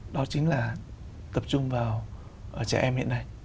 đó chính là tập trung vào trẻ em hiện nay